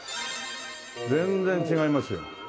全然違いますよ。